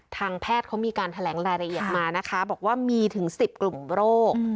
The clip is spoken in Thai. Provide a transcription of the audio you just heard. ทางแพทย์เขามีการแถลงรายละเอียดมานะคะบอกว่ามีถึง๑๐กลุ่มโรค